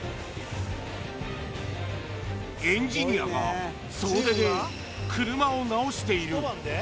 エンジニアが総出で車を直している。